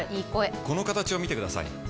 この形を見てください。